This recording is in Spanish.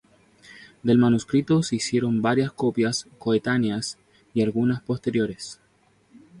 Del manuscrito se hicieron varias copias coetáneas y algunas posteriores.